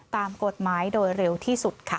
ตามกฎหมายโดยเร็วที่สุดค่ะ